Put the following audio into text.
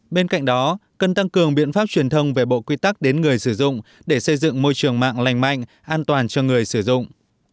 bên cạnh đó cần tăng cường biện pháp truyền thông về bộ quy tắc đến người sử dụng để xây dựng môi trường mạng lành mạnh an toàn cho người sử dụng